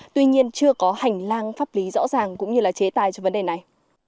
tuy nhiên chưa có hành lang pháp lý rõ ràng cũng như là chế tài cho vấn đề này